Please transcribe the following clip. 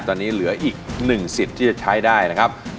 ตอนนี้เหลืออีก๑สิทธิ์ที่จะใช้ได้นะครับ